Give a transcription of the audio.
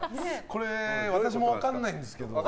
これ私も分からないんですけど。